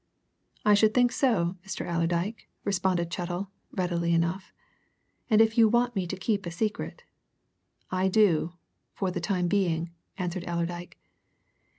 "I should think so, Mr. Allerdyke," responded Chettle, readily enough. "And if you want me to keep a secret " "I do for the time being," answered Allerdyke.